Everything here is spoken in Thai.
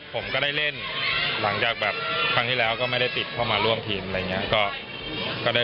ผมก็ได้เล่นหลังจากแบบครั้งที่แล้วก็ไม่ได้ติดเข้ามาร่วมทีมอะไรอย่างนี้